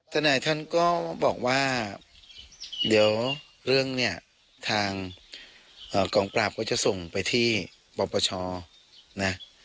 ทนายท่านก็บอกว่าเดี๋ยวเรื่องเนี่ยทางกองปราบก็จะส่งไปที่ปปชนะ